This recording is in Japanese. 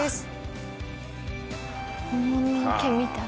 本物の毛みたい。